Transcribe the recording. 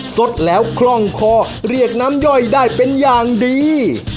สดแล้วคล่องคอเรียกน้ำย่อยได้เป็นอย่างดี